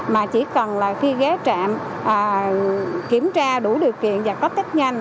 mà chỉ cần là khi ghé trạm kiểm tra đủ điều kiện và có tách nhanh